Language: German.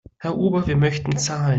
Herr Ober, wir möchten zahlen.